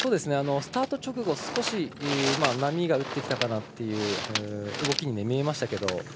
スタート直後、少し波打ってきたかなという動きに見えましたけど。